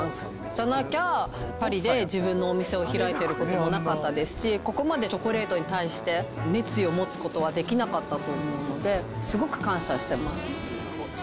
じゃなきゃ、パリで自分のお店を開いてることはなかったですし、ここまでチョコレートに対して、熱意を持つことはできなかったと思うので、すごく感謝してます。